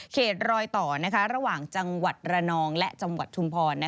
รอยต่อระหว่างจังหวัดระนองและจังหวัดชุมพร